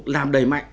làm đầy mạnh